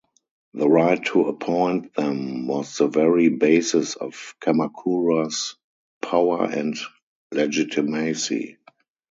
The right to appoint them was the very basis of Kamakura's power and legitimacy.